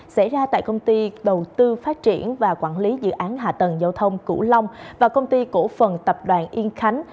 xảy ra tại công ty đầu tư phát triển và quản lý dự án hạ tầng giao thông cửu long và công ty cổ phần tập đoàn yên khánh